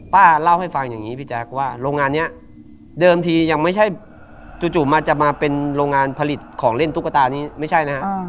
ป้าเล่าให้ฟังอย่างนี้พี่แจ๊คว่าโรงงานนี้เดิมทียังไม่ใช่จู่มันจะมาเป็นโรงงานผลิตของเล่นตุ๊กตานี้ไม่ใช่นะฮะ